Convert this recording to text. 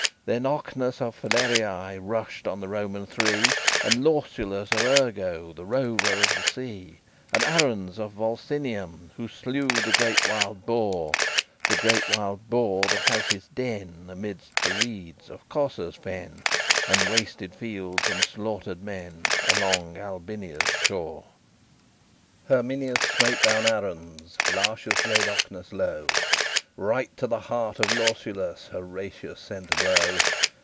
XXXIX Then Ocnus of Falerii Rushed on the Roman Three; And Lausulus of Urgo, The rover of the sea; And Aruns of Volsinium, Who slew the great wild boar, The great wild boar that had his den Amidst the reeds of Cosa's fen, And wasted fields, and slaughtered men, Along Albinia's shore. XL Herminius smote down Aruns: Lartius laid Ocnus low: Right to the heart of Lausulus Horatius sent a blow.